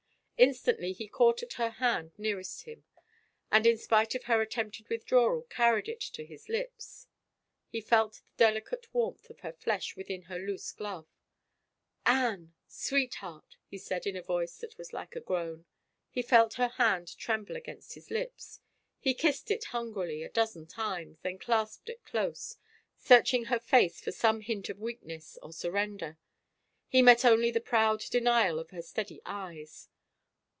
Instantly he caught at her hand nearest him and in spite of her attempted withdrawal carried it to his lips. He felt the delicate warmth of her flesh within her loose glove. " Anne — Sweetheart 1 " he said in a voice that was like a groan. He felt her hand tremble against his lips : he kissed it hungrily a dozen times, then clasped it close, searching her face for some hint of weakness, of surrender. He met only the proud denial of her steady eyes.